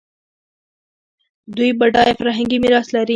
دوی بډایه فرهنګي میراث لري.